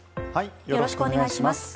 よろしくお願いします。